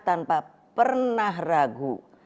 tanpa pernah ragu